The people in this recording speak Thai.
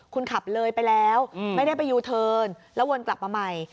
คุณขับเลยไปแล้วไม่ได้ไปยูเทิร์นแล้ววนกลับมาใหม่